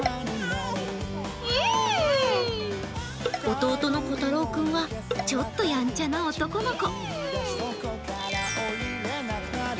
弟のこたろう君はちょっとやんちゃな男の子。